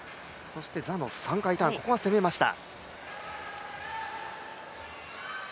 座の３回ターン、ここは攻めました。